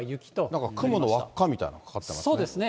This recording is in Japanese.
なんか雲の輪っかみたいのかかってますね。